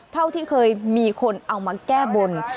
เท่าที่เคยมีคนเอามาแก้บน